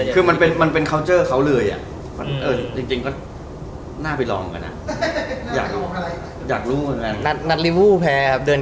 คุกโผล่งขึ้นมาเลย